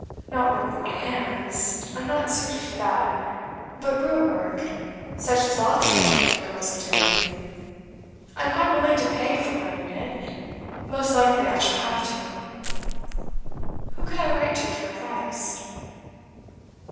Not work with my hands I'm not suited for that, but real work, such as lots of educated girls are doing. I'm quite willing to pay for learning it; most likely I shall have to. Who could I write to for advice?